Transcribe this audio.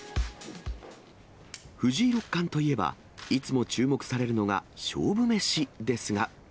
藤井六冠といえば、いつも注目されるのが勝負メシですが。